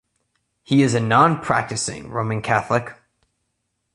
He is a non-practising Roman Catholic.